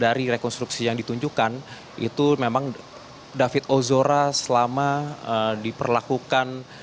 dari rekonstruksi yang ditunjukkan itu memang david ozora selama diperlakukan